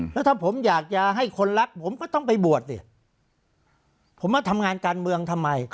แล้วถ้าผมอยากจะให้คนรักผมก็ต้องไปบวชสิผมมาทำงานการเมืองทำไม